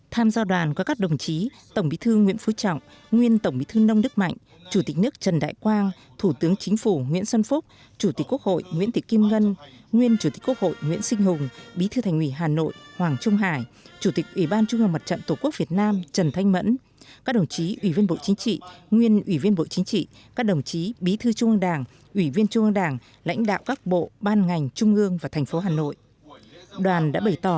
tham gia đoàn có các đồng chí tổng bí thư nguyễn phú trọng nguyên tổng bí thư nông đức mạnh chủ tịch nước trần đại quang thủ tướng chính phủ nguyễn xuân phúc chủ tịch quốc hội nguyễn thị kim ngân nguyên chủ tịch quốc hội nguyễn sinh hùng bí thư thành ủy hà nội hoàng trung hải chủ tịch ủy ban trung ương mặt trận tổ quốc việt nam trần thanh mẫn các đồng chí ủy viên bộ chính trị nguyên ủy viên bộ chính trị các đồng chí bí thư trung ương đảng ủy viên trung ương đảng lãnh đạo